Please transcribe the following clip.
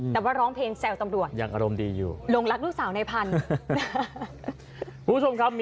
แต่ว่าร้องเพลงแซวตำรวจโรงลักษณ์ลูกสาวในพันธุ์